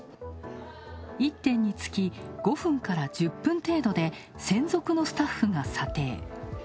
１点につき５分から１０分程度で専属のスタッフが査定。